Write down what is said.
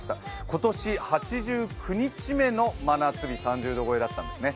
今年８９日目の真夏日、３０度超えだったんですね。